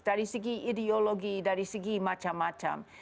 dari segi ideologi dari segi macam macam